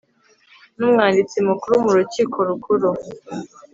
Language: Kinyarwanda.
n umwanditsi mukuru mu rukiko rukuru